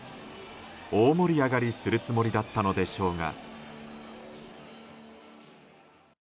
大盛り上がりするつもりだったのでしょうが。